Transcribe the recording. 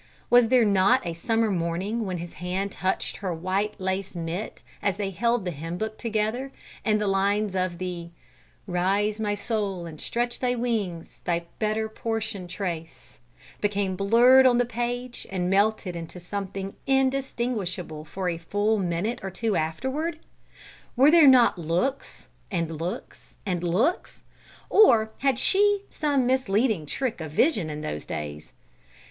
Was there not a summer morning when his hand touched her white lace mitt as they held the hymn book together, and the lines of the Rise, my soul, and stretch thy wings, Thy better portion trace, became blurred on the page and melted into something indistinguishable for a full minute or two afterward? Were there not looks, and looks, and looks? Or had she some misleading trick of vision in those days?